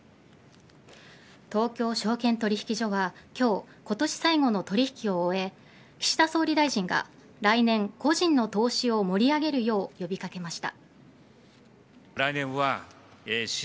東京証券取引所は今日今年最後の取引を終え岸田総理大臣が来年個人の投資を盛り上げるよう呼び掛けました。